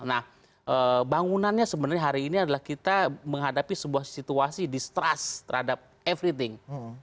nah bangunannya sebenarnya hari ini adalah kita menghadapi sebuah situasi distrust terhadap everything